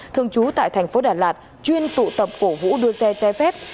thường trú tại tp đà lạt chuyên tụ tập cổ vũ đua xe chai phép